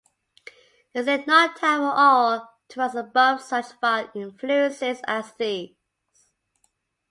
Is it not time for all to rise above such vile influences as these?